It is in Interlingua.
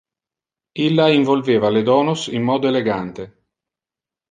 Illa involveva le donos in modo elegante.